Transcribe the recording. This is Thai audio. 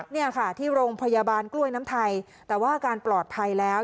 นี่ค่ะที่โรงพยาบาลกล้วยน้ำไทยแต่ว่าอาการปลอดภัยแล้ว